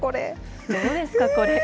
どうですか、これ。